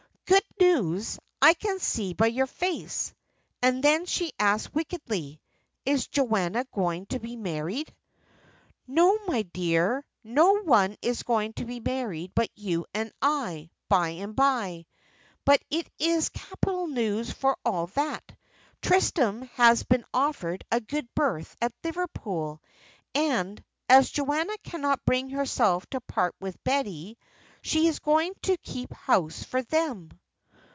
"Good news, I can see by your face." And then she asked wickedly, "Is Joanna going to be married?" "No, my dear; no one is going to be married but you and I by and bye, but it is capital news for all that. Tristram has been offered a good berth at Liverpool, and, as Joanna cannot bring herself to part with Betty, she is going to keep house for them."